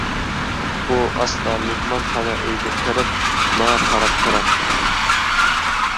ئۇ ئاستا مېھمانخانا ئۆيگە كىرىپ، ماڭا قاراپ تۇراتتى.